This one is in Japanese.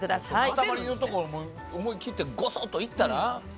塊のところ思い切ってごそっといったら？